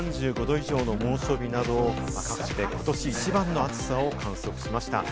きのう３５度以上の猛暑日など、各地でことし一番の暑さを観測しました。